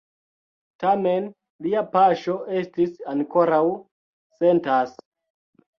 Tamen, lia paŝo estis ankoraŭ sentas.